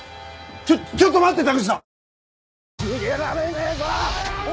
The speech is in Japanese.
ちょっと待って田口さん！